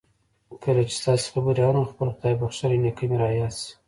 کله چې ستاسې خبرې آورم خپل خدای بخښلی نېکه مې را یاد شي